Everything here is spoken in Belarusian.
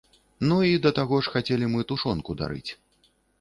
Ну і, да таго ж, хацелі мы тушонку дарыць.